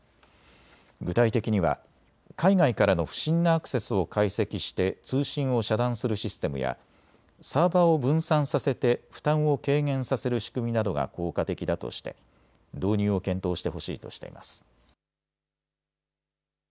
具体的には海外からの不審なアクセスを解析して通信を遮断するシステムやサーバーを分散させて負担を軽減させる仕組みなどが効果的だとして導入を検討してほしいとしています。